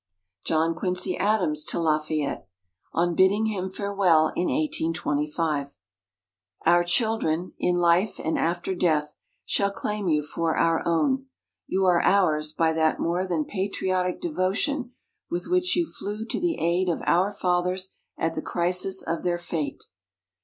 _ JOHN QUINCY ADAMS, TO LAFAYETTE On Bidding Him Farewell, in 1825 _Our children, in life and after death, shall claim you for our own. You are ours by that more than patriotic devotion with which you flew to the aid of our Fathers at the crisis of their fate....